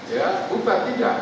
ya bukan tidak